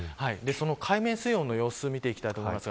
海面水温の様子を見ていきたいと思います。